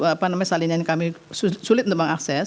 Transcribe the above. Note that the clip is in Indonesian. apa namanya salinan kami sulit untuk mengakses